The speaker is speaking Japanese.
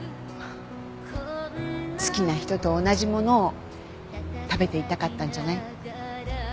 好きな人と同じものを食べていたかったんじゃない？